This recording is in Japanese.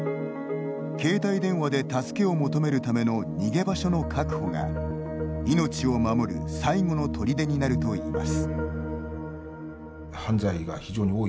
携帯電話で助けを求めるための逃げ場所の確保が命を守る最後のとりでになるといいます。